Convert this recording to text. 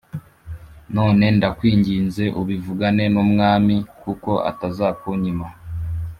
None ndakwinginze, ubivugane n’umwami kuko atazakunyima.